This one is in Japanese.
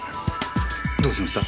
どうしました？